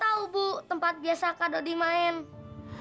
anda tahu bu tempat biasa kado dimainkan